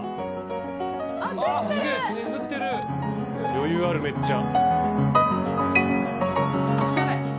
余裕あるめっちゃ。